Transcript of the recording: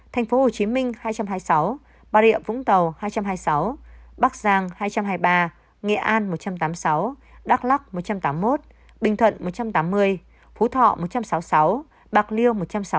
tp hcm hai trăm hai mươi sáu bà rịa vũng tàu hai trăm hai mươi sáu bắc giang hai trăm hai mươi ba nghệ an một trăm tám mươi sáu đắk lắc một trăm tám mươi một bình thuận một trăm tám mươi phú thọ một trăm sáu mươi sáu bạc liêu một trăm sáu mươi tám